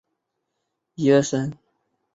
除了绘图之外有的以照片和文字说明呈现。